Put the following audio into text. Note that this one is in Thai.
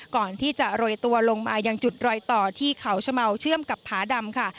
ก่อนที่จะโรยตัวลงมายังจุดรอยต่อที่เขาชะเมาเชื่อมกับผาดำค่ะ